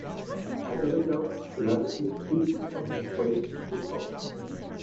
As a result, gravity increases from the equator to the poles.